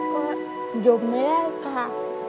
ก็อยู่แม่ค่ะ